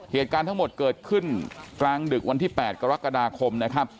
เหตุการณ์ทั้งหมดเกิดขึ้นกลางดึกวันที่๘กรกฎาคมนะครับ